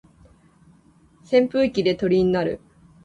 扇風機で鳥になる